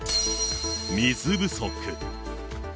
水不足。